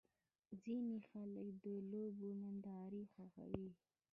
ځینې خلک د لوبو نندارې خوښوي.